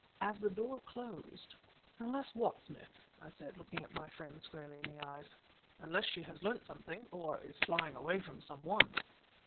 As the door closed "Unless what, Smith?" I said, looking my friend squarely in the eyes. "Unless she has learnt something, or is flying away from some one!"